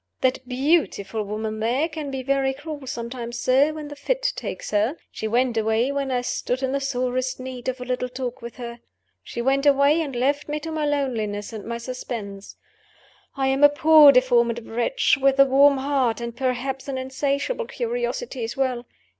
That beautiful woman there can be very cruel sometimes, sir, when the fit takes her. She went away when I stood in the sorest need of a little talk with her she went away, and left me to my loneliness and my suspense. I am a poor deformed wretch, with a warm heart, and, perhaps, an insatiable curiosity as well.